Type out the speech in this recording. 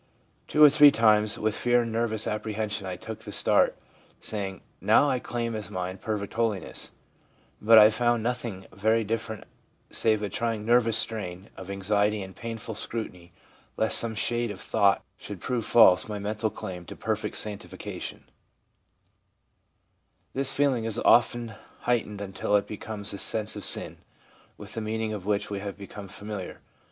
Two or three times with fear and nervous apprehension I took the start, saying, " Now I claim as mine perfect holiness "; but I found nothing very different save a trying nervous strain of anxiety and painful scrutiny lest some shade of thought should prove false my mental claim to perfect sanctification/ This feeling is often heightened until it becomes the sense of sin, with the meaning of which we have become familiar.